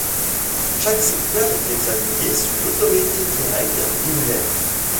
Chaque secteur est examiné sous l'autorité directe d'Himmler.